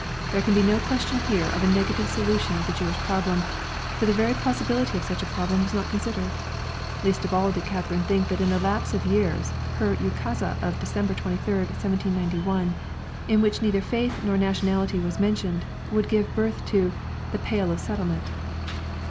There can be no question here of a negative solution of the Jewish problem, for the very possibility of such a problem was not considered. Least of all did Catherine think that in the lapse of years her ukase of December 23, 1791, in which neither faith nor nationality was mentioned, would give birth to ... the "Pale of Settlement."